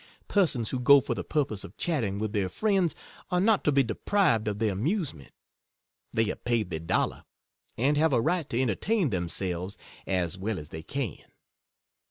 Persons who go for the purpose of chatting with their friends are not to be deprived of their amuse ment; they have paid their dollar, and have a right to entertain themselves as well as they can.